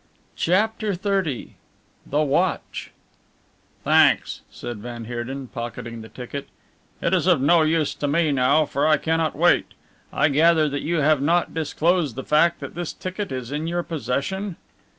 CHAPTER XXX THE WATCH "Thanks," said van Heerden, pocketing the ticket, "it is of no use to me now, for I cannot wait. I gather that you have not disclosed the fact that this ticket is in your possession."